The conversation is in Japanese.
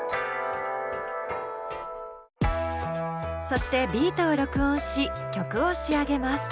そしてビートを録音し曲を仕上げます。